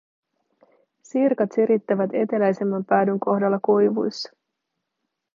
Sirkat sirittävät eteläisemmän päädyn kohdalla koivuissa.